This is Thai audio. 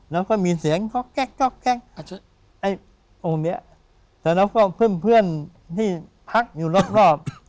แล้วก็มีเสียงก๊อกแก๊กไอ้องค์เนี้ยแต่แล้วก็เพื่อนเพื่อนที่พักอยู่รอบรอบ